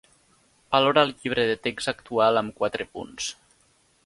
valora el llibre de text actual amb quatre punts